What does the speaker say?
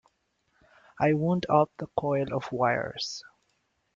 I wound up the coil of wires.